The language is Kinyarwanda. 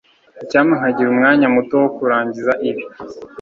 Icyampa nkagira umwanya muto wo kurangiza ibi.